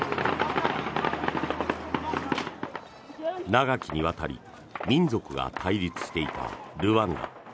長きにわたり民族が対立していたルワンダ。